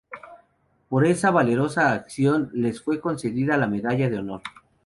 Por esa valerosa acción les fue concedida la Medalla de honor.